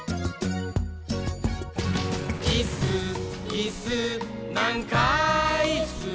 「いっすーいっすーなんかいっすー」